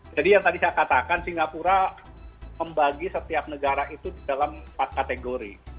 jadi yang tadi saya katakan singapura membagi setiap negara itu dalam empat kategori